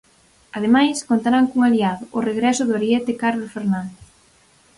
Ademais, contarán cun aliado, o regreso do ariete Carlos Fernández.